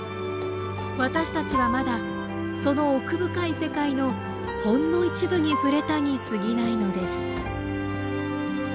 私たちはまだその奥深い世界のほんの一部に触れたにすぎないのです。